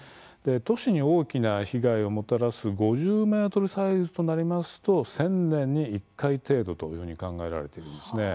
都市に大きな被害をもたらす５０ｍサイズとなりますと１０００年に１回程度というふうに考えられているんですね。